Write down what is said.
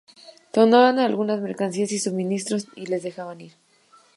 Tomaban algunas mercancías y suministros y les dejaban ir.